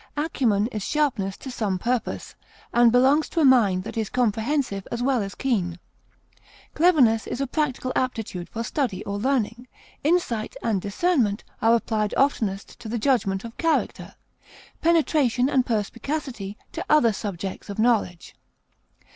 Acumen is sharpness to some purpose, and belongs to a mind that is comprehensive as well as keen. Cleverness is a practical aptitude for study or learning. Insight and discernment are applied oftenest to the judgment of character; penetration and perspicacity to other subjects of knowledge.